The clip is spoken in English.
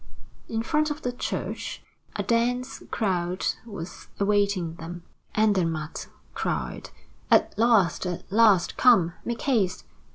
In front of the church, a dense crowd was awaiting them. Andermatt cried: "At last! at last! Come, make haste.